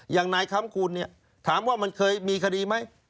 อย่างนายค้ำคูณเนี่ยถามว่ามันเคยมีคดีไหม